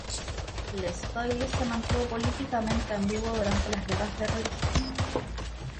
L’Estoile se mantuvo políticamente ambiguo durante las Guerras de Religión.